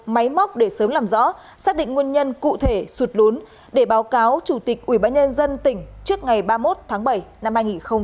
máy móc để sớm làm rõ xác định nguyên nhân cụ thể sụt lún để báo cáo chủ tịch ubnd tỉnh trước ngày ba mươi một tháng bảy năm hai nghìn hai mươi